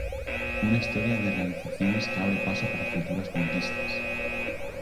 Una historia de realizaciones que abre paso para futuras conquistas.